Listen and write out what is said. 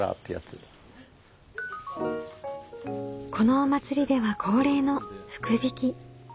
このお祭りでは恒例の福引き。